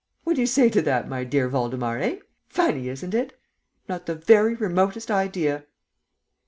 What do you say to that, my dear Waldemar, eh? Funny, isn't it? ... Not the very remotest idea!